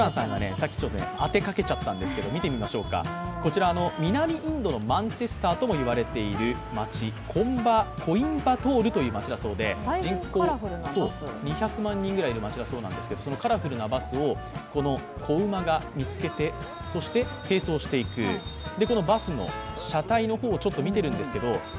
さっきちょっと当てかけちゃったんですけど見てみましょうか、こちら南インドのマンチェスターともいわれている街、コインバトールという街だそうで、人口２００万人くらいいるそうですがカラフルなバスを子馬が見つけてそして並走していく、このバスの車体の方を見てるんですけど。